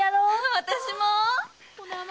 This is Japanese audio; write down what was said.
私も！